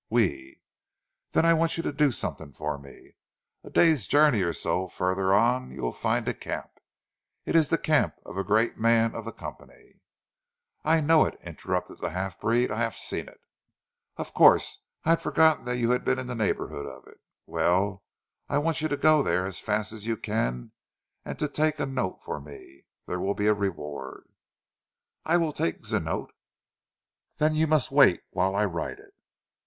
"Oui!" "Then I want you to do something for me. A day's journey or so further on you will find a camp, it is the camp of a great man of the Company " "I know it," interrupted the half breed, "I haf seen it." "Of course, I had forgotten you had been in the neighbourhood of it! Well, I want you to go there as fast as you can and to take a note for me. There will be a reward." "I will take zee note." "Then you must wait whilst I write it."